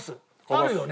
あるよね？